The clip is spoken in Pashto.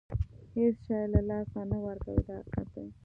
هېڅ شی له لاسه نه ورکوي دا حقیقت دی.